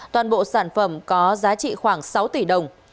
toàn bộ sản phẩm có giá trị khoảng sáu tỷ đồng